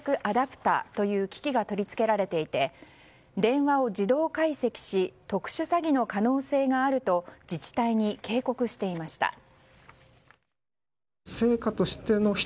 アダプタという機器が取り付けられていて電話を自動解析し特殊詐欺の可能性があると自治体に警告していました。